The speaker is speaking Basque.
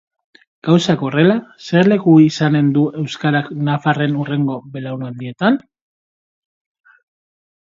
Gauzak horrela, zer leku izanen du euskarak nafarren hurrengo belaunaldietan?